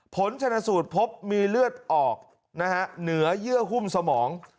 ผลชนสูตรพบมีเลือดออกนะฮะเหนือเยื่อหุ้มสมอง